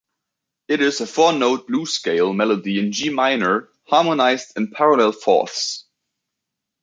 It is a four-note blues scale melody in G minor, harmonised in parallel fourths.